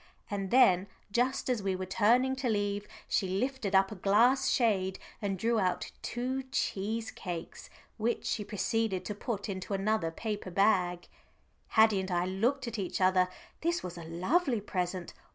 And then just as we were turning to leave, she lifted up a glass shade and drew out two cheese cakes, which she proceeded to put into another paper bag. Haddie and I looked at each other. This was a lovely present.